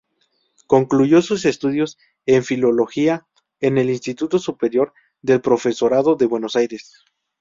Concluyó sus estudios en filología en el Instituto Superior del Profesorado de Buenos Aires.